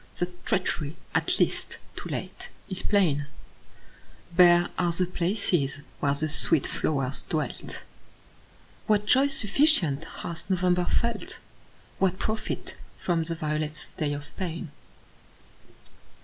The treachery, at last, too late, is plain; Bare are the places where the sweet flowers dwelt. What joy sufficient hath November felt? What profit from the violet's day of pain?